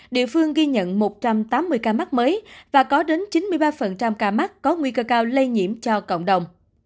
địa phương ghi nhận một trăm tám mươi ca mắc mới và có đến chín mươi ba ca mắc có nguy cơ cao lây nhiễm cho cộng đồng